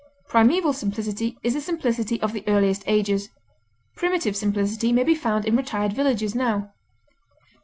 Primeval simplicity is the simplicity of the earliest ages; primitive simplicity may be found in retired villages now.